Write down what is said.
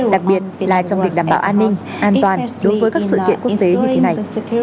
đặc biệt là trong việc đảm bảo an ninh an toàn đối với các sự kiện quốc tế như thế này